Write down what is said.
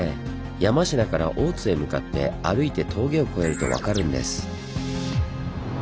山科から大津へ向かって歩いて峠を越えると分かるんです。